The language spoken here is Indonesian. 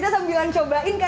masakan juga ya